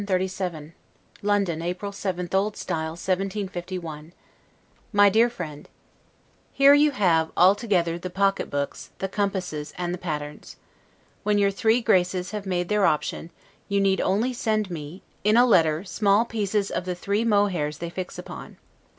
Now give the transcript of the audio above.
LETTER CXXXVII LONDON, April 7, O. S. 1751 MY DEAR FRIEND: Here you have, altogether, the pocketbooks, the compasses, and the patterns. When your three Graces have made their option, you need only send me, in a letter small pieces of the three mohairs they fix upon.